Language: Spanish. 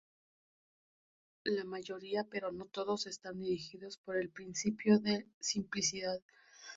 La mayoría, pero no todos, están dirigidos por el principio de simplicidad.